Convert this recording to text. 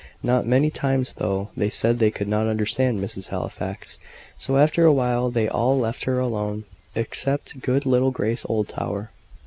Not many times, though; they said they could not understand Mrs. Halifax. So, after a while, they all left her alone, except good little Grace Oldtower.